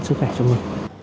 sức khỏe cho mình